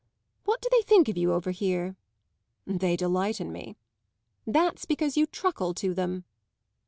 What do they think of you over here?" "They delight in me." "That's because you truckle to them."